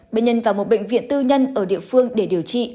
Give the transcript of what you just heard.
bệnh nhân vào một bệnh viện tư nhân ở địa phương để điều trị